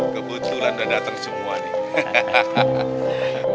kebetulan udah datang semua nih